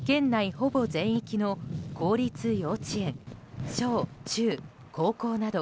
ほぼ全域の公立幼稚園小・中・高校など